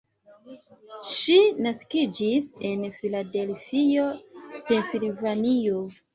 Ŝi naskiĝis en Filadelfio, Pensilvanio.